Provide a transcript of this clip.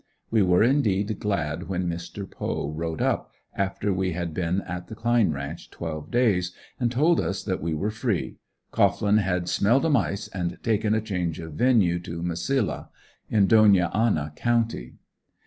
We were indeed glad when Mr. Poe rode up, after we had been at the Cline ranch twelve days, and told us that we were free. Cohglin had "smelled a mice" and taken a change of venue to Mesilla, in Dona Anna County.